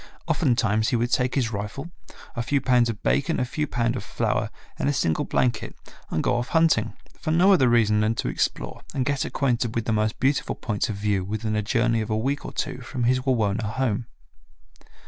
Often times he would take his rifle, a few pounds of bacon, a few pound of flour, and a single blanket and go off hunting, for no other reason than to explore and get acquainted with the most beautiful points of view within a journey of a week or two from his Wawona home.